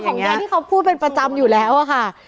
ยายที่เขาพูดเป็นประจำอยู่แล้วอะค่ะ